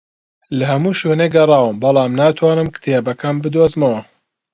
لە هەموو شوێنێک گەڕاوم، بەڵام ناتوانم کتێبەکەم بدۆزمەوە